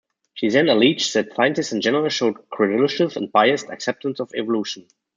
She then alleged that scientists in general showed "credulous and biased" acceptance of evolution.